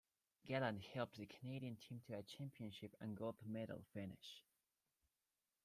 Gallant helped the Canadian team to a championship and gold medal finish.